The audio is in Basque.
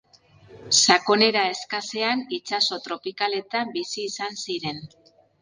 Sakonera eskasean itsaso tropikaletan bizi izan ziren.